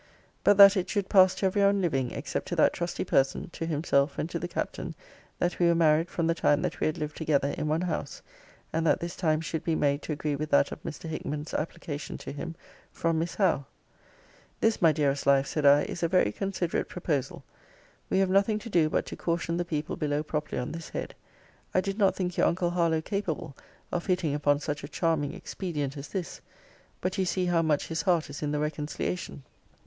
But that it should pass to every one living, except to that trusty person, to himself, and to the Captain, that we were married from the time that we had lived together in one house; and that this time should be made to agree with that of Mr. Hickman's application to him from Miss Howe.' This, my dearest life, said I, is a very considerate proposal. We have nothing to do but to caution the people below properly on this head. I did not think your uncle Harlowe capable of hitting upon such a charming expedient as this. But you see how much his heart is in the reconciliation.